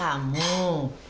ada yang cari kamu